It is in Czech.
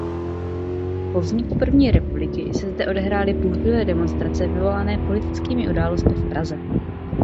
Po vzniku první republiky se zde odehrály bouřlivé demonstrace vyvolané politickými událostmi v Praze.